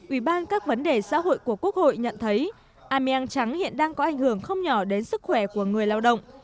ủy ban các vấn đề xã hội của quốc hội nhận thấy ameang trắng hiện đang có ảnh hưởng không nhỏ đến sức khỏe của người lao động